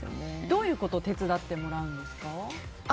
どういうことを手伝ってもらうんですか？